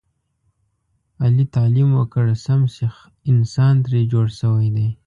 علي تعلیم وکړ سم سیخ انسان ترې جوړ شوی دی.